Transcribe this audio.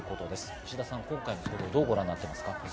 石田さん、今回の騒動、どうご覧になっていますか？